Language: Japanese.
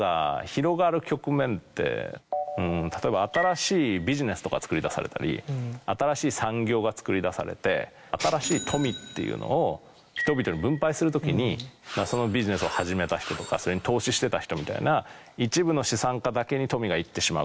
例えば新しいビジネスとかつくり出されたり新しい産業がつくり出されて新しい富っていうのを人々に分配するときにそのビジネスを始めた人とかそれに投資してた人みたいな一部の資産家だけに富がいってしまう。